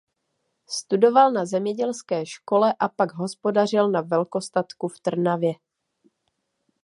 Studoval na zemědělské škole a pak hospodařil na velkostatku v Trnavě.